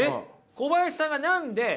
小林さんが何でこのね